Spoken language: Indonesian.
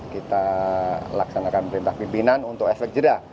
kita laksanakan perintah pimpinan untuk efek jerah